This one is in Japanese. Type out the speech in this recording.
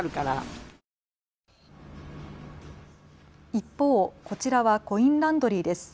一方、こちらはコインランドリーです。